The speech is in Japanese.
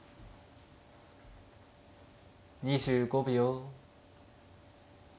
２５秒。